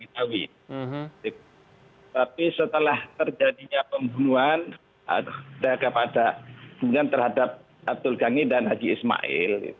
tapi setelah terjadinya pembunuhan terhadap abdul gangi dan haji ismail